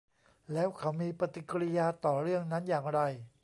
แล้วเขามีปฏิกิริยาต่อเรื่องนั้นอย่างไร